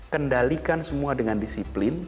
kendalikan semua dengan disiplin